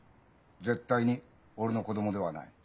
絶対に俺の子供ではない。